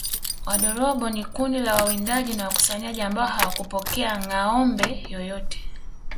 Wadorobo ni kundi la wawindaji na wakusanyaji ambao hawakupokea ngâombe yoyote